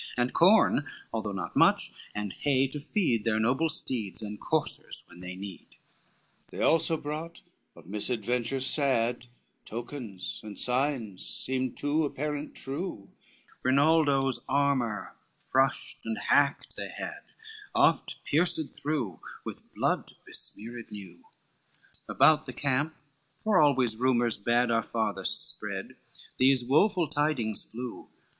And corn, although not much, and hay to feed Their noble steeds and coursers when they need. XLVIII They also brought of misadventure sad Tokens and signs, seemed too apparent true, Rinaldo's armor, frushed and hacked they had, Oft pierced through, with blood besmeared new; About the camp, for always rumors bad Are farthest spread, these woful tidings flew.